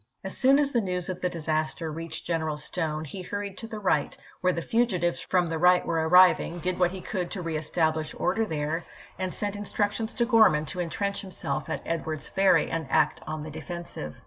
' 353'. As soon as the news of the disaster reached Gren eral Stone, he hurried to the right, where the fugitives from the fight were arriving, did what he could to reestablish order there, and sent instruc tions to Grorman to intrench himself at Edwards Ferry and act on the defensive.